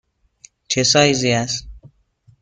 چه سایزی است؟